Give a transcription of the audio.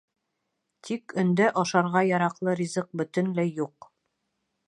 — Тик өндә ашарға яраҡлы ризыҡ бөтөнләй юҡ.